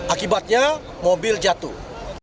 akibatnya mobil jatuh